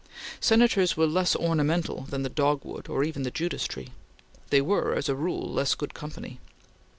Senators were less ornamental than the dogwood or even the judas tree. They were, as a rule, less good company.